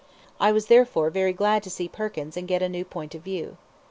I was therefore very glad to see Perkins and get a new point of view.